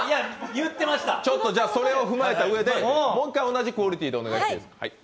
それをふまえたうえでもう一回同じクオリティーでお願いします。